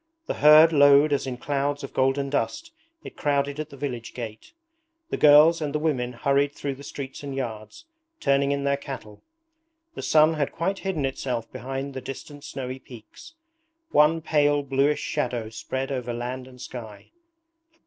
The herd lowed as in clouds of golden dust it crowded at the village gate. The girls and the women hurried through the streets and yards, turning in their cattle. The sun had quite hidden itself behind the distant snowy peaks. One pale bluish shadow spread over land and sky.